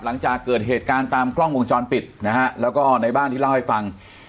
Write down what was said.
หลังจากเกิดเหตุการณ์ตามกล้องวงจรปิดนะฮะแล้วก็ในบ้านที่เล่าให้ฟัง